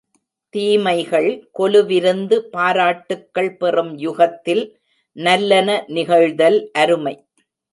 தீமைகள் கொலுவிருந்து பாராட்டுக்கள் பெறும் யுகத்தில் நல்லன நிகழ்தல் அருமை.